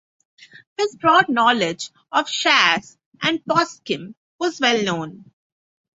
His broad knowledge of Shas and poskim was well known.